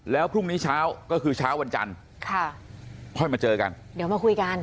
แล้วพรุ่งนี้เช้าก็คือเช้าวันจันทร์ค่ะค่อยมาเจอกันเดี๋ยวมาคุยกัน